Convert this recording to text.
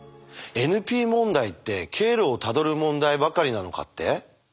ＮＰ問題って経路をたどる問題ばかりなのかって？